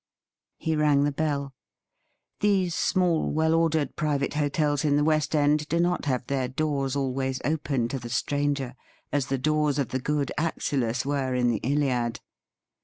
He rang the bell ; these small, well ordered private hotels in the West End do not have their doors always open to the stranger, as the doors of the good Axylus were in the ' Iliad.'